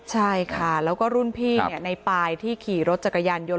ใช่ค่ะแล้วก็รุ่นพี่ในปายที่ขี่รถจักรยานยนต